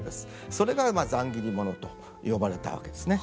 それが散切物と呼ばれたわけですね。